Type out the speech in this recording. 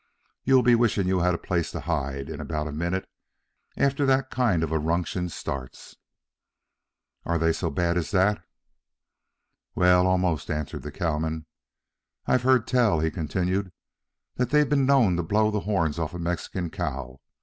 You'll be wishing you had a place to hide, in about a minute after that kind of a ruction starts." "Are they so bad as that?" "Well, almost," answered the cowman. "I've heard tell," he continued, "that they've been known to blow the horns off a Mexican cow.